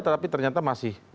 tetapi ternyata masih